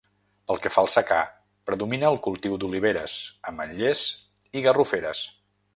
Pel que fa al secà predomina el cultiu d'oliveres, ametllers i garroferes.